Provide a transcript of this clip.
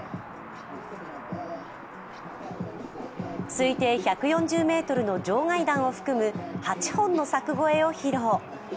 推定１４０ｍの場外弾を含む８本の柵越えを披露。